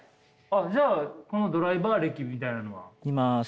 じゃあこのドライバー歴みたいなのは？